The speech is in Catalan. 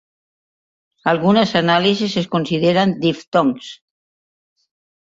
Algunes anàlisis els consideren diftongs.